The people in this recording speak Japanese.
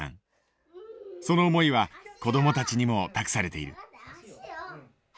その思いは子どもたちにも託されている。